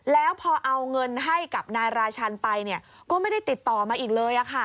แล้วพอเอาเงินให้กับนายราชันไปก็ไม่ได้ติดต่อมาอีกเลย